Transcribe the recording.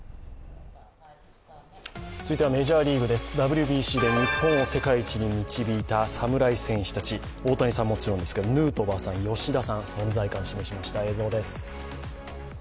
続いてはメジャーリーグです、ＷＢＣで日本を世界一に導いた侍戦士たち、大谷さんはもちろんですけどヌートバーさん、吉田さん、存在感を示しました、映像です。